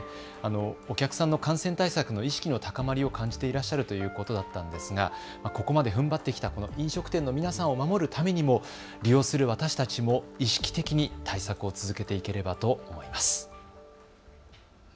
お客さんの感染対策の意識の高まりを感じていらっしゃるということだったんですがここまでふんばってきたこの飲食店の皆さんを守るためにも利用する私たちも意識的に対策を続けていければと思います。